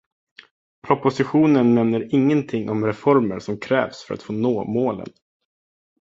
Propositionen nämner ingenting om reformer som krävs för att nå målen.